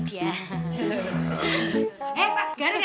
iya itu dia